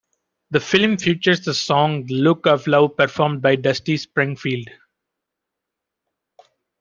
The film features the song "The Look of Love" performed by Dusty Springfield.